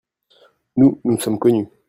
Nous, nous sommes connus.